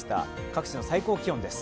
各地の最高気温です。